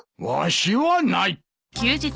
わしはない！